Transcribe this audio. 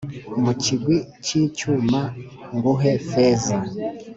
mu kigwi cy’icyuma, nguhe feza;